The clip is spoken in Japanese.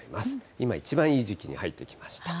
今一番いい時期に入ってきました。